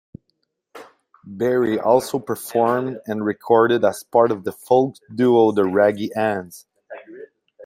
Berri also performed and recorded as part of the folk duo The Raggy Anns.